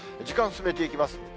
時間進めていきます。